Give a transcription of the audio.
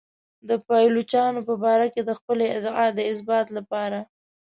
د پایلوچانو په باره کې د خپلې ادعا د اثبات لپاره.